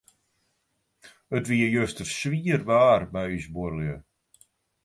It wie juster swier waar by ús buorlju.